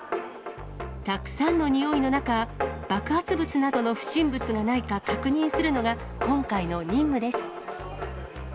たくさんのにおいの中、爆発物などの不審物がないか確認するのが、今回の任務です。